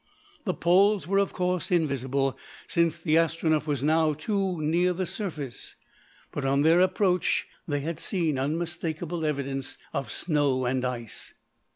The poles were of course invisible since the Astronef was now too near the surface; but on their approach they had seen unmistakable evidence of snow and ice.